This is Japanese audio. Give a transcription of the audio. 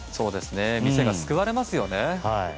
店が救われますよね。